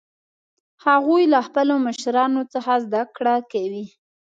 هغوی له خپلو مشرانو څخه زده کړه کوي